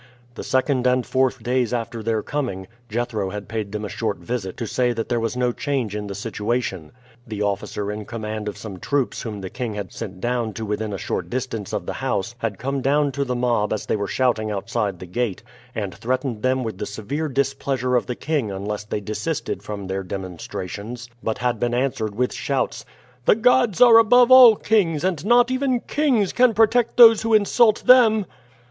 The second and fourth days after their coming, Jethro had paid them a short visit to say that there was no change in the situation. The officer in command of some troops whom the king had sent down to within a short distance of the house had come down to the mob as they were shouting outside the gate, and threatened them with the severe displeasure of the king unless they desisted from their demonstrations, but had been answered with shouts, "The gods are above all kings, and not even kings can protect those who insult them."